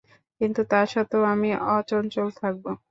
কিন্তু তা সত্ত্বেও আমি অচঞ্চল থাকব।